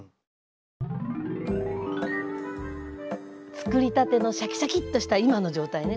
つくりたてのシャキシャキッとした今の状態ね